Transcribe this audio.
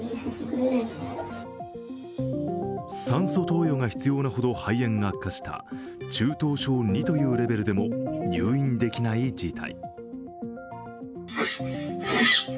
酸素投与が必要なほど肺炎が悪化した中等症Ⅱというレベルでも入院できない事態。